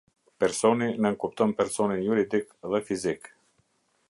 Personi nënkupton personin juridik dhe fizik.